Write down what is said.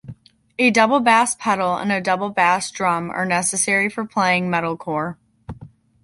A double bass pedal and a double bass drum are necessary for playing metalcore.